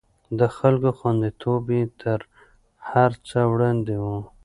د خلکو خونديتوب يې تر هر څه وړاندې و.